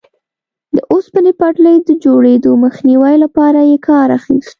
د اوسپنې پټلۍ د جوړېدو مخنیوي لپاره یې کار اخیست.